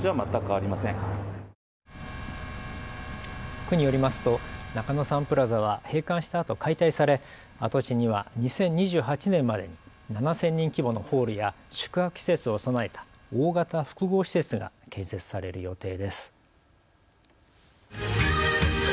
区によりますと中野サンプラザは閉館したあと解体され跡地には２０２８年までに７０００人規模のホールや宿泊施設を備えた大型複合施設が建設される予定です。